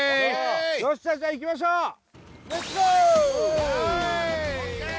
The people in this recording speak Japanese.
よっしゃじゃあいきましょう！ＯＫ！